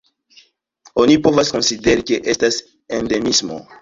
Oni povas konsideri, ke estas endemismo.